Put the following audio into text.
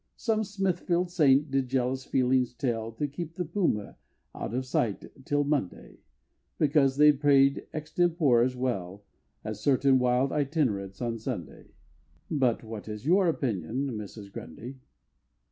Some Smithfield saint did jealous feelings tell To keep the Puma out of sight till Monday, Because he prey'd extempore as well As certain wild Itinerants on Sunday But what is your opinion, Mrs. Grundy?